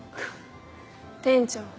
店長